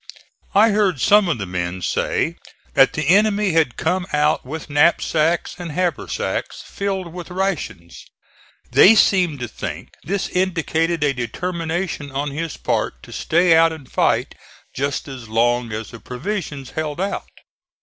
I heard some of the men say that the enemy had come out with knapsacks, and haversacks filled with rations. They seemed to think this indicated a determination on his part to stay out and fight just as long as the provisions held out.